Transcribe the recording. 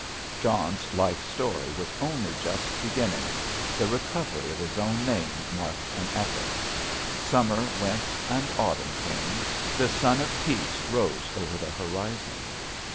John's life story was only just beginning—the recovery of his own name marked an epoch. Summer went and autumn came; the sun of Peace rose over the horizon.